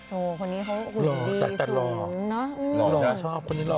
โหคนนี้เขาก็คุณดีสุดเนอะหล่อแต่หล่อหล่อชอบคนนี้หล่อ